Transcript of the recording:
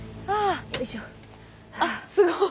あっすごい！